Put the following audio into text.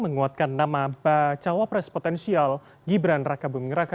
menguatkan nama bacawapres potensial ibran raka buming raka